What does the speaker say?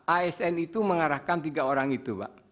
asn itu mengarahkan tiga orang itu pak